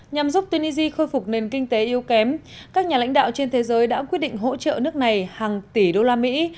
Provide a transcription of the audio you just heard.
nhằm giúp tunisia khôi phục nền kinh tế yếu kém các nhà lãnh đạo trên thế giới đã quyết định hỗ trợ nước này hàng tỷ đô la mỹ